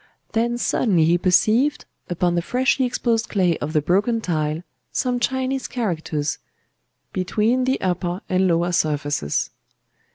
Then suddenly he perceived, upon the freshly exposed clay of the broken tile, some Chinese characters—between the upper and lower surfaces.